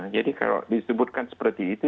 jadi kalau disebutkan seperti itu